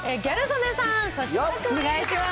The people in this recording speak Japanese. お願いします。